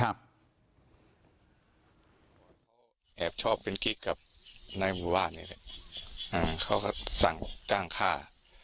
แอบชอบเป็นกิ๊กกับนายหมู่ว่านเขาก็สั่งจ้างฆ่า